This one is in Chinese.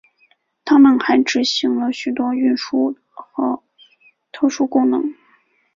但他们还执行了许多运输和特殊功能。